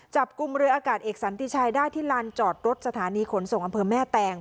จับกลุ่มเรืออากาศเอกสันติชัยได้ที่ลานจอดรถสถานีขนส่งอำเภอแม่แตง